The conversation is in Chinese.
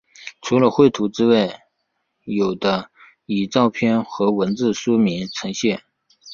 除了绘图之外有的以照片和文字说明呈现。